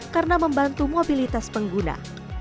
karena membantu mobilitas pengguna